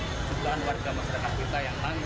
dan daripada saatnya akan menentukan siapa yang memang bisa